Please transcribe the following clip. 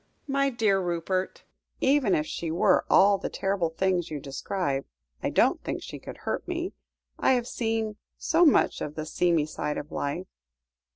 My dear Rupert, even if she were all the terrible things you describe, I don't think she could hurt me. I have seen so much of the seamy side of life."